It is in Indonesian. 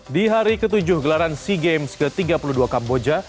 di hari ketujuh gelaran sea games ke tiga puluh dua kamboja